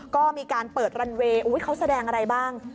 ก็มีการเปิดรันเวย์เขาแสดงอะไรบ้าง